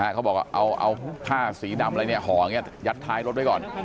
เขาบอกว่าเอาผ้าสีดำอะไรห่ออย่างนี้ยัดท้ายรถไว้ก่อน